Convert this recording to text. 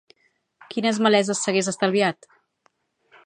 Quines maleses s'hagués estalviat?